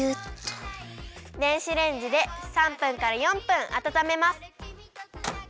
電子レンジで３分から４分あたためます。